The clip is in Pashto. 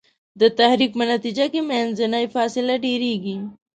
د تحرک په نتیجه کې منځنۍ فاصله ډیریږي.